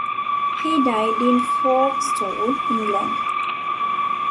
He died in Folkestone, England.